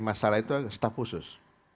masalah itu adalah staf khusus